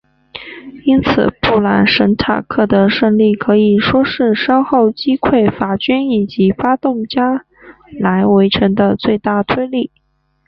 因此布朗什塔克的胜利可以说是稍后击溃法军以及发动加莱围城的最大推力。